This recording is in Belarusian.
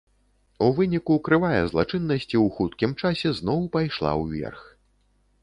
У выніку крывая злачыннасці у хуткім часе зноў пайшла ўверх.